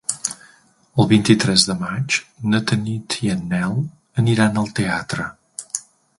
El vint-i-tres de maig na Tanit i en Nel aniran al teatre.